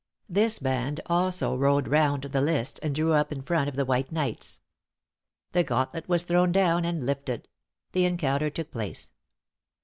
This band also rode round the lists, and drew up in front of the white knights. The gauntlet was thrown down and lifted; the encounter took place.